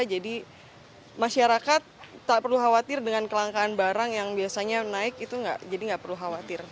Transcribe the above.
jadi masyarakat tak perlu khawatir dengan kelangkaan barang yang biasanya naik itu jadi nggak perlu khawatir